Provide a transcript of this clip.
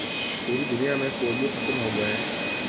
پوری دنیا میں پولیو ختم ہو گیا ہے